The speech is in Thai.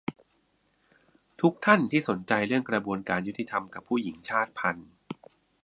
ทุกท่านที่สนใจเรื่องกระบวนการยุติธรรมกับผู้หญิงชาติพันธุ์